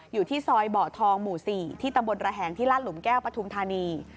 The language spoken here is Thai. อยู่ที่ซอยเบาะทองหมู่๔ที่ตำบลระแหงที่ลาดหลุมแก้วปฐุมธานี